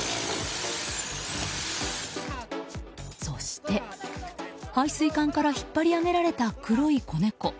そして、配水管から引っ張り上げられた黒い子猫。